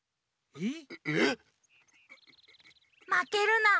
まけるな。